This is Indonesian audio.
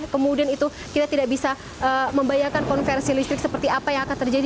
kemudian itu kita tidak bisa membayangkan konversi listrik seperti apa yang akan terjadi